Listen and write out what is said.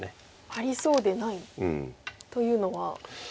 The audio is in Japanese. ありそうでないというのは。